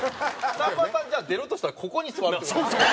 さんまさんじゃあ出るとしたらここに座るって事ですか？